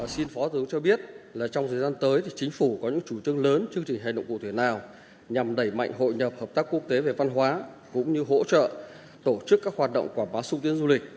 xin phó tướng cho biết trong thời gian tới thì chính phủ có những chủ trương lớn chương trình hành động cụ thể nào nhằm đẩy mạnh hội nhập hợp tác quốc tế về văn hóa cũng như hỗ trợ tổ chức các hoạt động quảng bá xúc tiến du lịch